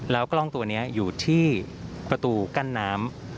แล้วกล้องตัวนี้อยู่ที่ประตูกั้นน้ำ